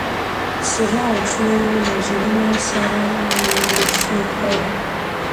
سره او شنه یې وزرونه سره مشوکه